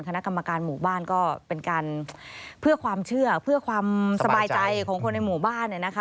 คณะกรรมการหมู่บ้านก็เป็นการเพื่อความเชื่อเพื่อความสบายใจของคนในหมู่บ้านเนี่ยนะคะ